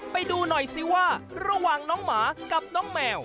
ไปดูหน่อยซิว่าระหว่างน้องหมากับน้องแมว